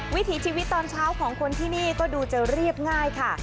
วิถีชีวิตตอนเช้าของคนที่นี่ก็ดูจะเรียบง่ายค่ะ